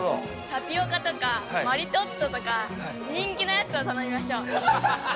タピオカとかマリトッツォとか人気なやつを頼みましょう。